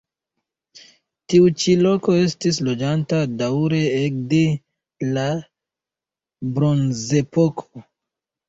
Tiu ĉi loko estis loĝata daŭre ekde la bronzepoko.